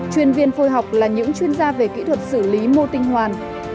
chuyên viên phôi học là những chuyên gia về kỹ thuật xử lý mô tinh hoàn